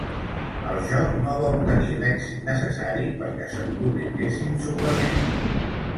El joc no va obtenir l'èxit necessari perquè se'n publiquessin suplements.